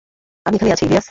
আমি এখানেই আছি, ইলিয়াস।